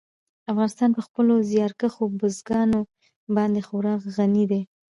افغانستان په خپلو زیارکښو بزګانو باندې خورا غني دی.